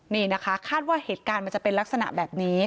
นี่นะคะคาดว่าเหตุการณ์มันจะเป็นลักษณะแบบนี้